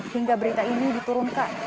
hingga berita ini diturunkan